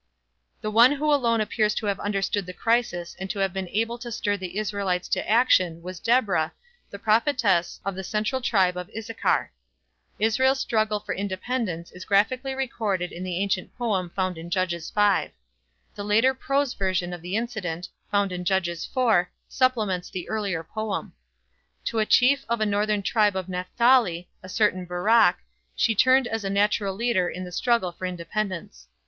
The one who alone appears to have understood the crisis and to have been able to stir the Israelites to action was Deborah, the prophetess of the central tribe of Issachar. Israel's struggle for independence is graphically recorded in the ancient poem found in Judges 5. The later prose version of the incident, found in Judges 4, supplements the earlier poem. To a chief of a northern tribe of Napthali, a certain Barak, she turned as the natural leader in the struggle for independence.